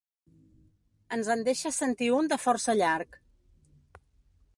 Ens en deixa sentir un de força llarg.